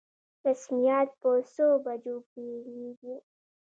رسميات په څو بجو پیلیږي؟